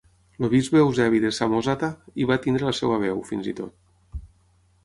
El bisbe Eusebi de Samòsata hi va tenir la seva seu, fins i tot.